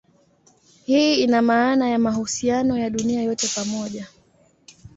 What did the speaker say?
Hii ina maana ya mahusiano ya dunia yote pamoja.